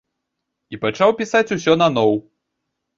І пачаў пісаць усё наноў.